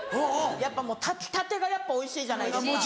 やっぱもう炊きたてがやっぱおいしいじゃないですか。